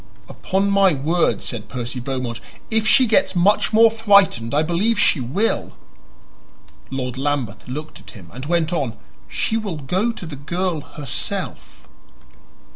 "Upon my word," said Percy Beaumont, "if she gets much more frightened I believe she will." Lord Lambeth looked at him, and he went on. "She will go to the girl herself."